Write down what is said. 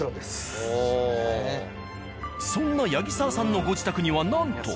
そんな八木澤さんのご自宅にはなんと。